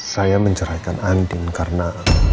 saya menceraikan andi karena